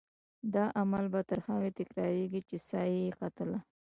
دا عمل به تر هغې تکرارېده چې سا یې ختله.